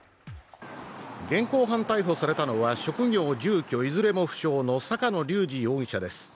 現行犯逮捕されたのは、職業・住居いずれも不詳の坂野隆治容疑者です。